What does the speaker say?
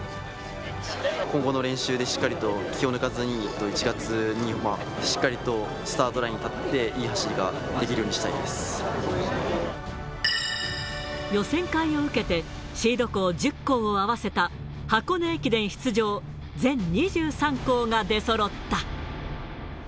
今後の練習でしっかりと気を抜かずに、１月にしっかりとスタートラインに立って、いい走りができるよう予選会を受けて、シード校１０校を合わせた箱根駅伝出場、全２３校が出そろった。